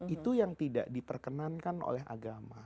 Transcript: itu yang tidak diperkenankan oleh agama